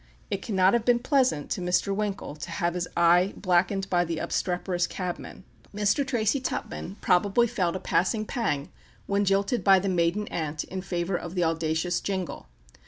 It cannot have been pleasant to Mr. Winkle to have his eye blackened by the obstreperous cabman. Mr. Tracy Tupman probably felt a passing pang when jilted by the maiden aunt in favour of the audacious Jingle.